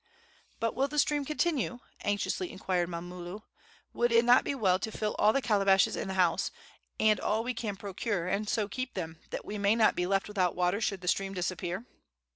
"But will the stream continue?" anxiously inquired Mamulu. "Would it not be well to fill all the calabashes in the house, and all we can procure, and so keep them, that we may not be left without water should the stream disappear?"